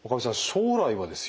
将来はですよ